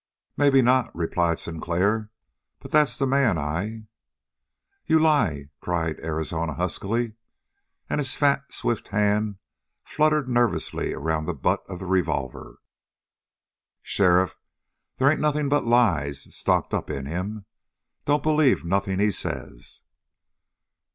"Maybe not," replied Sinclair, "but that's the man I " "You lie!" cried Arizona huskily, and his fat, swift hand fluttered nervously around the butt of the revolver. "Sheriff, they ain't nothing but lies stocked up in him. Don't believe nothing he says!"